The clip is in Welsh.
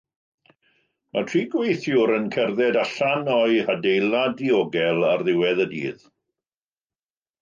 Mae tri gweithiwr yn cerdded allan o'u hadeilad diogel ar ddiwedd y dydd.